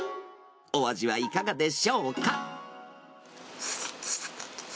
お味はいかがでしょうか。